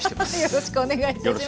よろしくお願いします。